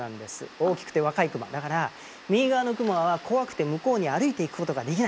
大きくて若いクマだから右側のクマは怖くて向こうに歩いていくことができない。